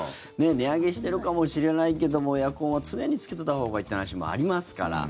値上げしてるかもしれないけどもエアコンは常につけてたほうがいいって話もありますから。